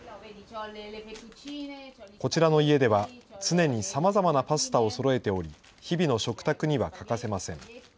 こちらの家では、常にさまざまなパスタをそろえており、日々の食卓には欠かせません。